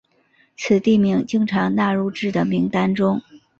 此地名经常纳入至的名单中。